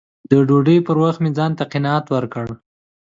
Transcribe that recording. د ډوډۍ پر وخت مې ځان ته قناعت ورکړ